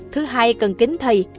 thứ hai cần kính thầy